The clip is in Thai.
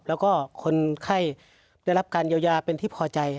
แล้วก็คนไข้ได้รับการเยียวยาเป็นที่พอใจ